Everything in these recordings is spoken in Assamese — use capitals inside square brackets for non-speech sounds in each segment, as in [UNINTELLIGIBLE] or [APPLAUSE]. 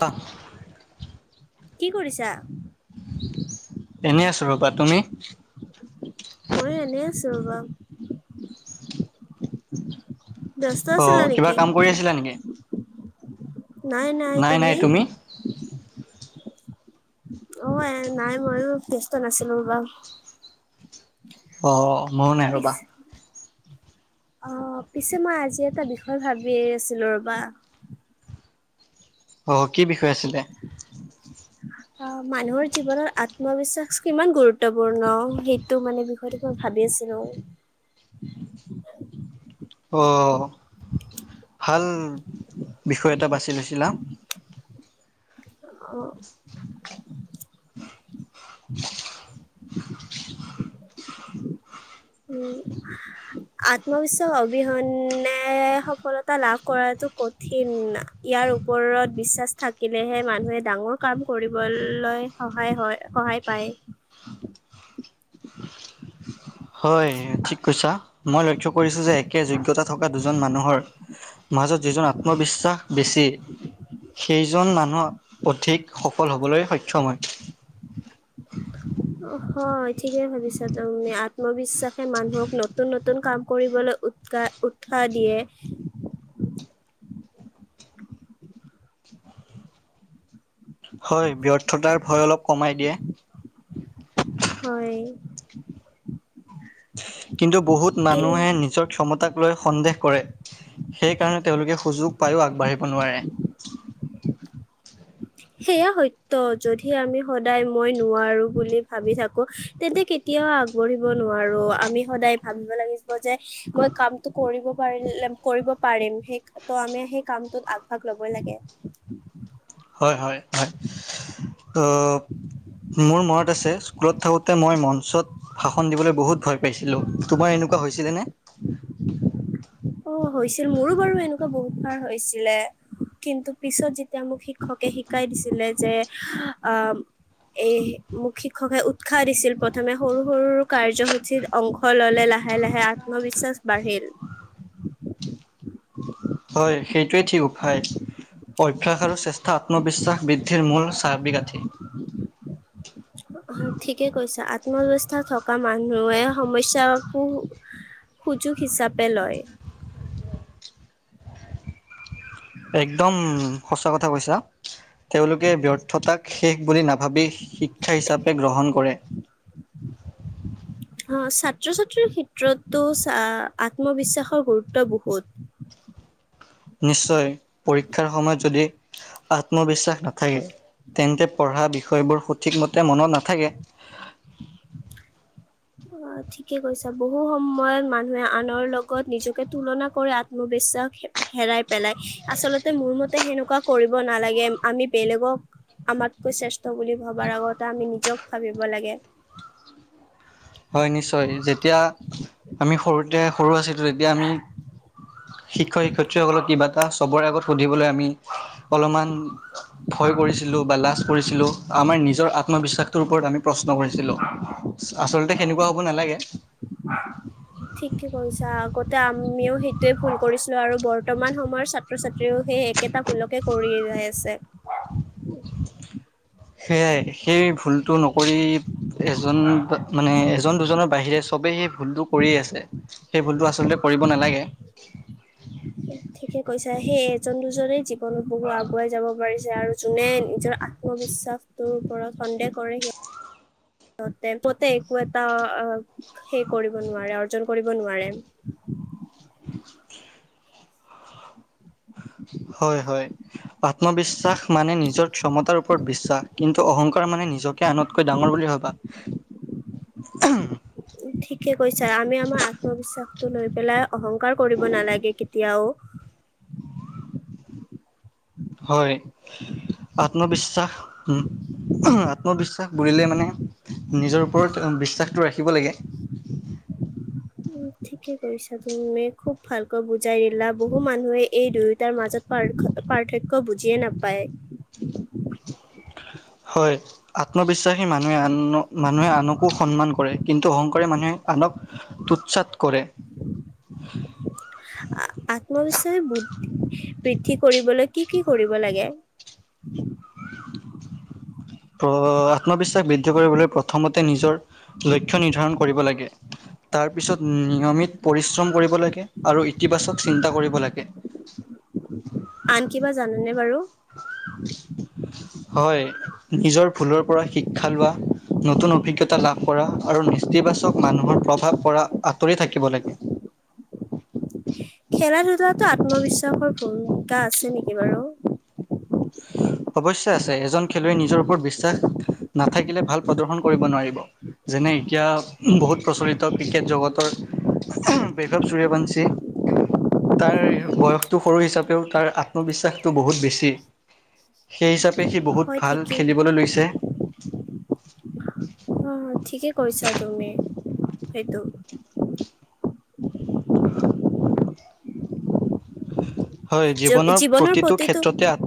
শাহ কি কৰিছা? এনেই আছো ৰবা তুমি ময়ো এনে আছো ৰবা। ব্যস্ত অ আছিলা কিবা নেকি? কাম কৰি আছিলা নেকি? নাই নাই তুমি অ নাই ময়ো ব্যস্ত আছিলো যবা অ মইও নাই ৰবা অ পিছে মই আজি এটা বিষয় ভাবি আছিলোঁ ৰ'বা। অ কি বিষয় আছিলে। [INAUDIBLE] অ মানুহৰ জীৱনত আত্মবিশ্বাস কিমান গুৰুত্বপূৰ্ণ সেই, তো মানে বিষয়টো মই ভাবি আছিলো। অঁ ভাল বিষয় এটা বাছি লৈছিলা। অ উম, আত্মবিশ্বাস অবিহনে সফলতা লাভ কৰাটো কঠিন। ইয়াৰ ওপৰত বিশ্বাস থাকিলেহে মানুহে ডাঙৰ কাম কৰিবলৈ সহায় হয় সহায়। পায় হয় ঠিক কৈছা মই লক্ষ্য কৰিছোঁ যে একে যোগ্যতা থকা দুজন মানুহৰ মাজত যিজন আত্মবিশ্বাস বেছি সেইজন মানুহক অধিক। সফল হ'বলৈ সক্ষম হয়। হয় ঠিকে ভাবিছা তুমি আত্মবিশ্বাসে মানুহক নতুন নতুন কাম কৰিবলৈ। উৎসাহ দিয়ে। হয় ব্যৰ্থতাৰ ভয় অলপ কমাই দিয়ে। হয়। কিন্তু বহুত কি মানুহে নিজৰ ক্ষমতাক লৈ সন্দেহ কৰে সেইকাৰণে তেওঁলোকে সুযোগ পায়ো আগবাঢ়িব নোৱাৰে। সেয়া সত্য যদি আমি সদায় মই নোৱাৰো বুলি ভাবি থাকো তেন্তে তয়ও কি্য়আগবাঢ়িব নোৱাৰোঁ আমি সদায় ভাবিব লাগিব যে মই কামতটো কৰিব পাৰিলে কৰিব পাৰিম সেই, তোমালোকে' সেই কামটোত আগভাগ লবই লাগে। হয়, হয়, হয়। অ' মোৰ মনত আছে, স্কুলত থাকোঁতে মই মঞ্চত ভাষণ দিবলৈ বহুত ভয় পাইছিলোঁ। তোমাৰ এনেকুৱা হৈছিলেনে? অ' হৈছিল, মোৰো বাৰু এনেকুৱা বহুত হৈছিলে। কিন্তু পিছত যেতিয়া মোক শিক্ষকে শিকাই দিছিলে যে আ এই মোক শিক্ষকে উৎসাহ দিছিল, প্ৰথমে সৰু সৰু কাৰ্যসূচীত অংশ ল'লে লাহে লাহে আত্মবিশ্বাচ বাঢ়িল। হয়, সেইটোৱে ঠিক উখাই। অভ্যাস আৰু শ্ৰেষ্টা, আত্মবিশ্বাস বৃদ্ধিৰ মূল চাবি কাঠি। ঠিকে কৈছা। আত্মবিশ্বাস থকা মানুহে সমস্যাকো সুযোগ হিচাপে লয়। একদম সঁচা কথা কৈছা। তেওঁলোকে ব্যৰ্থতাক শেষ বুলি নাভাবি শিক্ষা হিচাপে গ্ৰহণ কৰে। অ' ছাত্ৰ-ছাত্ৰীৰ ক্ষেত্ৰতো আত্মবিশ্বাসৰ গুৰুত্ব বহুত। নিশ্চয়। পৰীক্ষাৰ সময়ত যদি আত্মবিশ্বাস নাথাকে, তেন্তে পঢ়া বিষয়বোৰ সঠিকমতে মনত নাথাকে। অ' আত ঠিকে কৈছা, বহু সময়ত মানুহে আনৰ লগত নিজকে তুলনা কৰে আত্মবিশ্বাস হে হেৰাই পেলাই। আচলতে মোৰ মতে সেনেকুৱা কৰিব নালাগে, আমি বেলেগক আমাতকে শ্ৰেষ্ঠ বুলি ভবাৰ আগতে আমি নিজক ভাবিব লাগে। হয় নিশ্চয়, যেতিয়া আমি সৰুতে সৰু আছিলোঁ তেতিয়া আমি শিক্ষ-শিক্ষয়িত্ৰীসকলক কিবা এটা চবৰে আগত সুধিবলৈ আমি অলমান ভয় কৰিছিলোঁ, বা লাজ কৰিছিলোঁ। আমাৰ নিজৰ আত্মবিশ্বাসটোৰ ওপৰত আমি প্ৰচ ন কৰিছিলোঁ, আচলতে সেনেকুৱা হ'ব নালাগে। [INAUDIBLE] ঠিকে কৈছা। আগতে আমিও সেইটোয়ে ভুল কৰিছিলোঁ, আৰু বৰ্তমান সময়ৰ ছাত ত্ৰ-ছাত্ৰীও সেই একেটা ভুলকে কৰি যায় আছে। সেয়াই, সেই ভুলটো নকৰি এজন ব মানে এজন-দুজনৰ বাহিৰে চবেই সেই ভুলটো কৰিয়েই আছে, সেই ভুলটো আচলতে কৰিব নালাগে। ঠিকে কৈছা। সেই এজন-দুজনেই জীৱনত বহু আগুৱাই যাব পাৰিছে, আৰু যোনে নিজৰ আত্মবিশ্বাস তুৰ ওপৰত সন্দেহ কৰে, সিহঁত ত'তে প'তে একো এটা অ' সেই কৰিব নোৱাৰে, অৰ্জন কৰিব নোৱাৰে। হয়, হয়। আত্মবিশ্বাস মানে নিজৰ ক্ষমতাৰ ওপৰত বিশ্বাস, কিন্তু অহংকাৰ মানে নিজকে আনতকৈ ডাঙৰ বুলি ভাবা। [INAUDIBLE] [UNINTELLIGIBLE] ঠিকে কৈছা। আমি আমাৰ আত্মবিশ্বাসটো লৈ পেলাই অহংকাৰ কৰিব নালাগে কেতিয়াও। হয়, আত্মবিশ্বাস উ আত্মবিশ্বাস বুৰিলে মানে নিজৰ ওপৰত বিশ্বাসটো ৰাখিব লাগে। উম ঠিকে কৈছা তুমি, খুব ভালকৈ বুজাই দিলা। বহু মানুহে এই দুয়োটাৰ মাজত পাৰ্ষ পাৰ্থক্য বুজিয়েই নাপায়। হয়, আত্মবিশ্বাসী মানুহে আনক মানুহে আনকো সন্মান কৰে। কিন্তু অহংকাৰি মানুহে আনক তুচ্ছাত কৰে। আত্মবিশ্বাস বুত বৃদ্ধি কৰিবলৈ কি কি কৰিব লাগে? অ' আত্মবিশ্বাস বৃদ্ধি কৰিবলৈ প্ৰথমতে নিজৰ লক্ষ্য নিৰ্ধাৰণ কৰিব লাগে। তাৰপিছত নিয়মিত পৰিশ্ৰম কৰিব লাগে আৰু ইতিবাচক চিন্তা কৰিব লাগে। আন কিবা জানেনে বাৰু। হয়, নিজৰ ভুলৰ পৰা শিক্ষা লোৱা। নতুন অভিজ্ঞতা লাভ কৰা আৰু নেতিবাচক মানুহৰ প্ৰভাৱ পৰা আঁতৰি থাকিব লাগে খেলা ধূলাতো আত্মবিশ্বাসৰ ভূমিকা আছে নেকি বাৰু অৱশ্যে আছে এজন খেলুৱৈ নিজৰ ওপৰত বিশ্বাস নাথাকিলে ভাল প্ৰদৰ্শন কৰিব নোৱাৰিব যেনে এতিয়া বহুত প্ৰচলিত ক্ৰিকেট জগতৰ বৈভৱ সূৰ্যবংশী তাৰ বয়সটো সৰু হিচাপেও তাৰ আত্মবিশ্বাসটো বহুত বেছি সেই হিচাপে সি বহুত হয় ভাল ঠিকেই খেলিবলে লৈছে অহ ঠিকে কৈছা তুমি সেইটো হয় জীৱনৰ প্ৰতিটো ক্ষেত্ৰতে আত্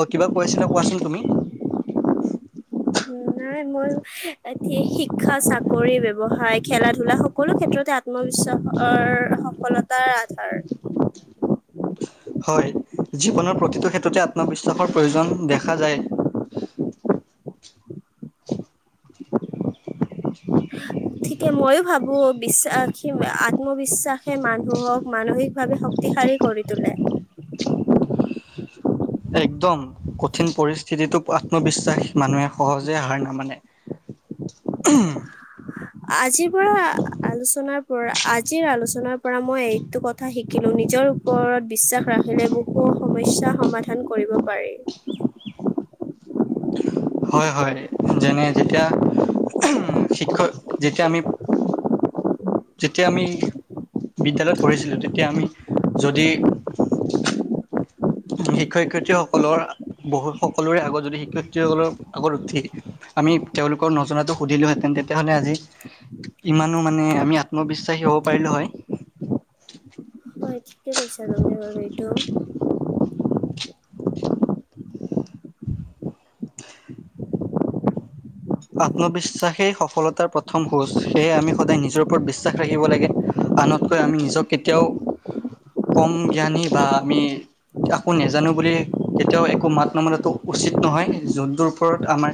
অঁহ কিবা কৈ আছিলা কোৱাচোন তুমি নাই মোৰ এ শিক্ষা চাকৰি ব্যৱসায় খেলা ধূলা সকলো ক্ষেত্ৰতে আত্ আত্মবিশ্বাসৰ সফলতাৰ আধাৰ হয় জীৱনৰ প্ৰতিটো ক্ষেত্ৰতে আত্মবিশ্বাসৰ প্ৰয়োজন দেখা যায় ঠিকে মইয়ো ভাবো বিশ্বাসী আত্মবিশ্বাসে মানুহক মানসিক ভাবে শক্তিশালী কৰি তোলে একদম কঠিন পৰিস্থিতিটো আত্মবিশ্বাস মানুহে সহজে হাৰ নামানে [UNINTELLIGIBLE] [UNINTELLIGIBLE] আজিৰ পৰা আলোচনাৰ পৰা আজিৰ আলোচনাৰ পৰা মই এইটো কথ কথা শিকিলো নিজৰ ওপৰত বিশ্বাস ৰাখিলে বহু সমস্যা সমাধান কৰিব পাৰি হয় হয় যেনে যেতিয়া শিক্ষক যেতিয়া আমি যেতিয়া আমি বিদ্যালয়ত পঢ়িছিলোঁ তেতিয়া আমি যদি শিক্ষক শিক্ষয়ত্ৰীসকলৰ বহুত সকলোৰে আগত যদি শিক্ষয়ত্ৰীসকলৰ আগত উঠি আমি তেওঁলোকক নজনাটো সুধিলোহেঁতেন তেতিয়াহ'লে আজি ইমানো মানে আমি আত্মবিশ্বাসী হ'ব পাৰিলোঁ হয় হয় ঠিকে কৈছা তুমি বাৰু এইটো আত্মবিশ্বাসেই সফলতাৰ প্ৰথম খোজ সেয়ে আমি সদায় নিজৰ ওপৰত বিশ্বাস ৰাখিব লাগে আনতকৈ আমি নিজক কেতিয়াও কম জ্ঞানী বা আমি আকো নেজানো বুলি কেতিয়াও একো মাত নমতাটো উচিত নহয় যোনটোৰ ওপৰত আমাৰ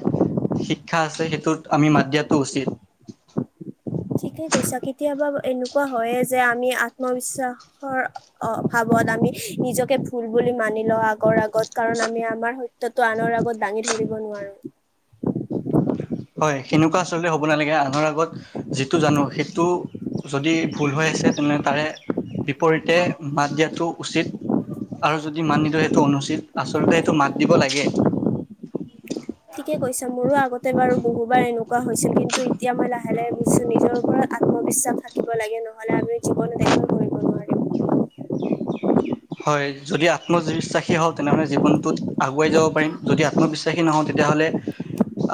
শিক্ষা আছে সেইটোত আমি মাত দিয়াটো উচিত ঠিকেই কৈছা কেতিয়াবা এনেকুৱা হয়ে যে আমি আত্মবিশ্বাস হৰ অভাৱত আমি নিজকে ভুল বুলি মানি লওঁ আনৰ আগত কাৰণ আমি আমাৰ ততো আনৰ আগত দাঙি ধৰিব নোৱাৰো হয় সেনেকুৱা আচলতে হ'ব নালাগে আনৰ আগত যিটো জানো সেইটো যদি ভুল হৈ আছে তেনে তাৰে বিপৰীতে মাত দিয়াটো উচিত আৰু যদি মাত নিদিঅ সেইটো অনুচিত আচলতে সেইটো মাত দিব লাগে ঠিকে কৈছা মোৰো আগতে বাৰু বহুবাৰ এনেকুৱা হৈছিল কিন্তু এতিয়া মই লাহে লাহে বুজিছো নিজৰ ওপৰত আত্মবিশ্বাস থাকিব লাগে নহলে আমি জীৱনত একো কৰিব নোৱাৰিম হয় যদি আত্মবিশ্বাসী হওঁ তেনেহ'লে জীৱনটোত আগুৱাই যাব পাৰিম যদি আত্মবিশ্বাসী নহওঁ তেতিয়াহ'লে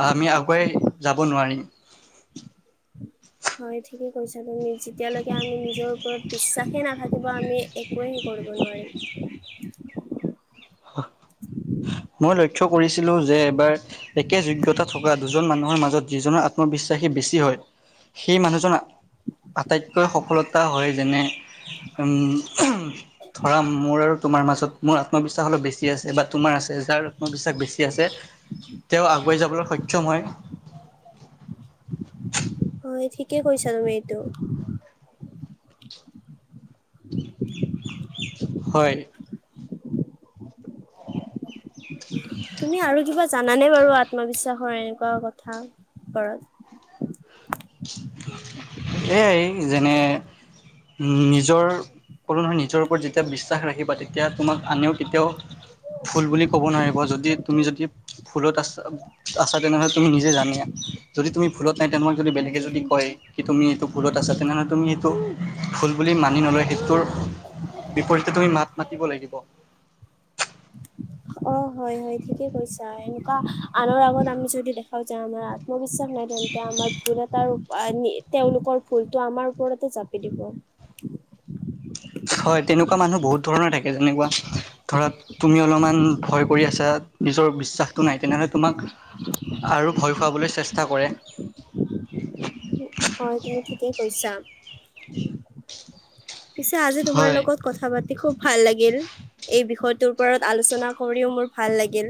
আহ আমি আগুৱাই যাব নোৱাৰিম হয় ঠিকে কৈছা তুমি যেতিয়ালৈকে আমি নিজৰ ওপৰত বিশ্বাসে নাথাকিব আমি- একোৱেই কৰিব নোৱাৰিম? মই লক্ষ্য কৰিছিলো যে এবাৰ- একে যোগ্যতা থকা দুজন মানুহৰ মাজত যিজনৰ আত্মবিশ্বাসী বেছি হয়! সেই মানুহজন আটাইতকৈ সফলতা হয়ঁ যেনে- উমঁ ওমহহ ধৰা মোৰ আৰু তোমাৰ মাজত মোৰ আত্মবিশ্বাস- অলপ বেছি আছে বা তোমাৰ আছে যাৰ আত্মবিশ্বাস বেছি আছে। তেওঁ আগুৱাই যাবলৈ সক্ষম হয়। হঁয় ঠিকেই কৈছা তুমি এইটো। হয়ঁ! তুমি আৰু কিবা জানানে বাৰু আত্মবিশ্বাসৰ এনেকুৱা কথা ওপৰত। এ এই যেনে নিজৰ- কলো নহয় নিজৰ ওপৰত যেতিয়া বিশ্বাস ৰাখিবা তেতিয়া তোমাক আনে কেতিয়াও- ভুল বুলি ক'ব নোৱাৰিব যদি তুমি যদি- ভুলত আছা আছা তেনেহলে তুমি নিজে জানিয়া যদি তুমি ভুলত নাই তেনেকুৱা যদি বেলেগে যদি। কয় কি তুমি এইটো ভুলত আছা তেনেহলে তুমি এইটো ভুল বুলি মানি নলয় সেইটোৰ- বিপৰীতে তুমি মাত মাতিব লাগিব। অঁ হঁয় হঁয় হয় ঠিকেই কৈছা এনেকুৱা আনৰ আগত আমি যদি দেখাব যাও আমাৰ- মোৰ বিশ্বাস নাই তেন্তে আমাৰ ভুল এটাৰ তেওঁলোকৰ ভুলটো আমাৰ ওপৰতে জাপি দিব। হয়ঁ তেনেকুৱা মানুহ বহুত ধৰণৰ থাকে যেনেকুৱা ধৰক- তুমি অলমান ভয় কৰি আছা নিজৰ বিশ্বাসটো নাই তেনেহ'লে তোমাক। আৰু ভয় খুৱাবলৈ চেষ্টা কৰে। হয়ঁ তুমি ঠিকেই কৈছা, পিছে আজি তোমাৰ হয় লগত। কথা পাতি খুব ভাল লাগিল এই বিষয়টোৰ ওপৰত আলোচনা কৰিও মোৰ ভাল লাগিল।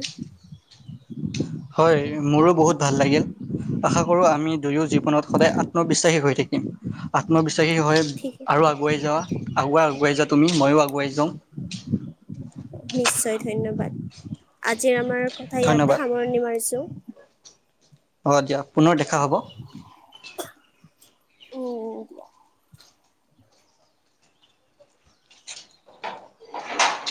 হয়ঁ মোৰো বহুত ভাল লাগিল। আশা কৰোঁ আমি দুয়ো জীৱনত সদায় আত্মবিশ্বাসী হৈ থাকিম, আত্মবিশ্বাসী হৈ- ঠিক আৰু আগোৱাই যোৱা আগোৱাই যোৱা তুমি ময়ো আগোৱাই যাওঁ। নিশ্চয় ধন্যবাদ আজিৰ আমাৰ কথা ইয়াতে ধন্যবাদ সামৰণি মাৰিছো। হ'ব দিয়া পুনৰ দেখা হ'ব। উমঁ দিয়া।